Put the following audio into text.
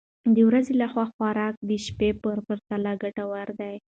د ورځې لخوا خوراک د شپې په پرتله ګټور دی.